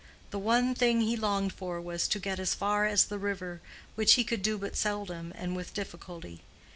The one thing he longed for was to get as far as the river, which he could do but seldom and with difficulty.